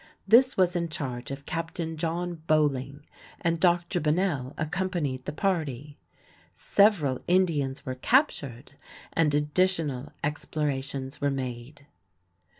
This was in charge of Capt. John Boling, and Dr. Bunnell accompanied the party. Several Indians were captured, and additional explorations were made.